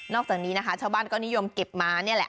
จากนี้นะคะชาวบ้านก็นิยมเก็บมานี่แหละ